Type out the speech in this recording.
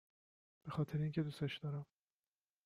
بخاطر اینکه دوستش دارم